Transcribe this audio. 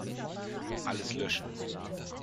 Alles löschen.